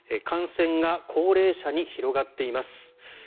感染が高齢者に広がっています。